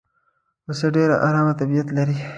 پسه ډېر آرام طبیعت لري.